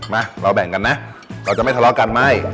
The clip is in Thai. มาเราแบ่งกันนะเราจะไม่ทะเลาะกันไม่